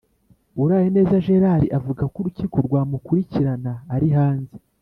Urayeneza Gérard avuga ko Urukiko rwamukurikirana ari hanze,